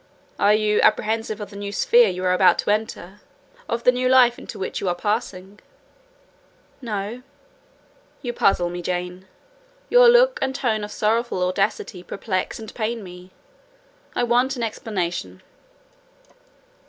"Are you apprehensive of the new sphere you are about to enter?—of the new life into which you are passing?" "No." "You puzzle me, Jane: your look and tone of sorrowful audacity perplex and pain me. I want an explanation."